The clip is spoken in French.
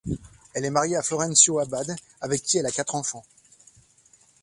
Elle est mariée à Florencio Abad, avec qui elle a quatre enfants.